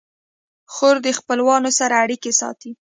خور د خپلوانو سره اړیکې ساتي.